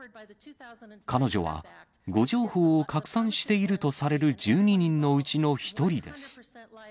彼女は誤情報を拡散しているとされる１２人のうちの１人です。